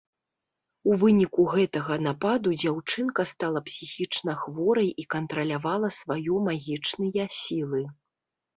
У выніку гэтага нападу дзяўчынка стала псіхічнахворай і кантралявала сваё магічныя сілы.